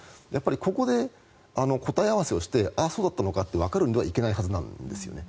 ここで答え合わせをしてあっ、そうだったのかとわかるわけではいけないはずなんですよね。